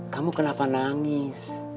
kamu kenapa nangis